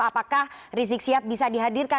apakah rizik sihab bisa dihadirkan